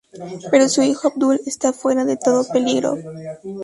Pero su hijo Abdul está fuera de todo peligro.